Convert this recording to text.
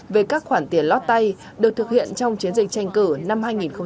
về các khoản tiền lót tay được thực hiện trong chiến dịch tranh cử năm hai nghìn một mươi tám